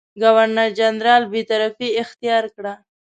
ګورنرجنرال بېطرفي اختیار کړه.